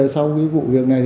sau vụ việc này